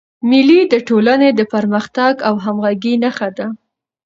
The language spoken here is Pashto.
مېلې د ټولني د پرمختګ او همږغۍ نخښه ده.